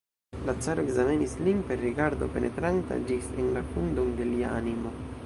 La caro ekzamenis lin per rigardo, penetranta ĝis en la fundon de lia animo.